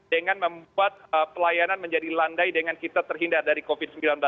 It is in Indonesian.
dengan membuat pelayanan menjadi landai dengan kita terhindar dari covid sembilan belas